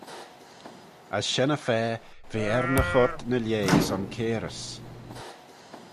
As shen-y-fa ve er ny choyrt ny lieh son cairys.